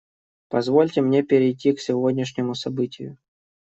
Позвольте мне перейти к сегодняшнему событию.